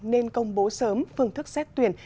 nên công bố sớm phương thức xét tuyển